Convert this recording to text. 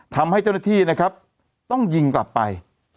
ทำให้เจ้าหน้าที่นะครับต้องยิงกลับไป